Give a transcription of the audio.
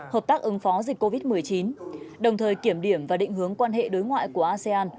hợp tác ứng phó dịch covid một mươi chín đồng thời kiểm điểm và định hướng quan hệ đối ngoại của asean